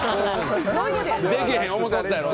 できへん思っていたやろ。